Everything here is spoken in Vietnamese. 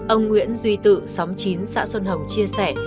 ông nguyễn duy tự xóm chín xã xuân hồng chia sẻ